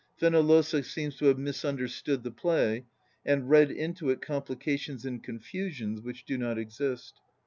Fenollosa seems to have misunderstood the play and read into it complications and confusions which do not exist.